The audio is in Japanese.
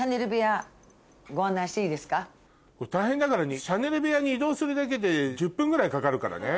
大変だからねシャネル部屋に移動するだけで１０分ぐらいかかるからね。